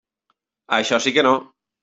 Això sí que no.